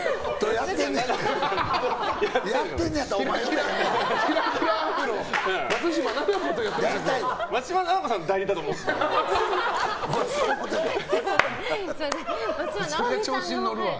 やってんねんやったらお前呼ばんわ。